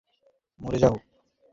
অতএব ঐ অর্থ যথাযথ কাজেই লাগান হয়েছে।